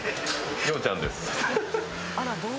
洋ちゃんです。